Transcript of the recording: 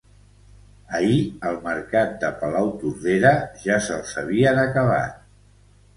Ahir al mercat de Palautordera ja se'ls havien acabat